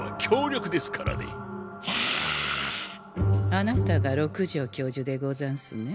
あなたが六条教授でござんすね。